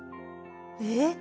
えっ？